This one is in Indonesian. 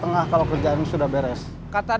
tentang memhrvasi layak facing